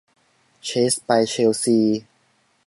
เชสไปเชลซี